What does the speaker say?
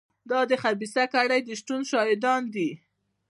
دا د خبیثه کړۍ د شتون شاهدان دي.